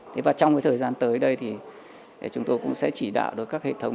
thế và trong thời gian tới đây thì chúng tôi cũng sẽ chỉ đạo được các hệ thống